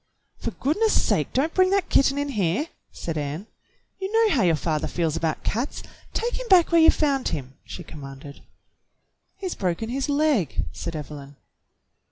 "For goodness sake, don't bring that kitten in here!" said Ann. "You know how your father feels about cats. Take him back where you found him," she commanded. "He's broken his leg," said Evelyn.